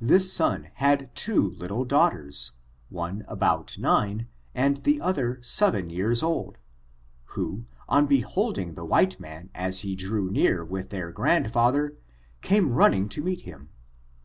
This son had two little daughters, one about nine, and the other seven years old, who, on beholding the wliite man as he drew near with their grandfather, came running to meet them.